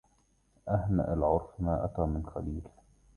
أهنأ العرف ما أتى من خليل